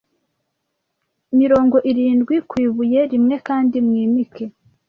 mirongo irindwi e ku ibuye rimwe kandi mwimike